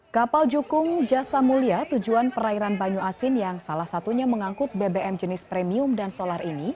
kapal jukung jasa mulia tujuan perairan banyu asin yang salah satunya mengangkut bbm jenis premium dan solar ini